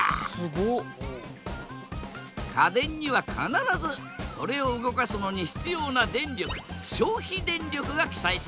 家電には必ずそれを動かすのに必要な電力消費電力が記載されている。